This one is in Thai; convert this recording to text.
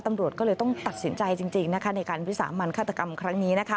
ตำรวจก็เลยต้องตัดสินใจจริงในการวิสามันฆาตกรรมครั้งนี้